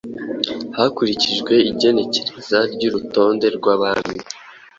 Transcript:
hakurikijwe igenekereza ry’urutonde rw’Abami